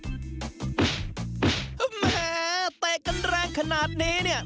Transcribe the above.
แหมเตะกันแรงขนาดนี้เนี่ย